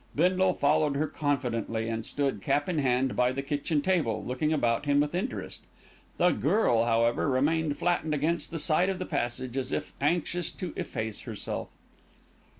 Bindle followed her confidently, and stood, cap in hand, by the kitchen table, looking about him with interest. The girl, however, remained flattened against the side of the passage, as if anxious to efface herself.